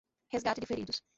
Resgate de Feridos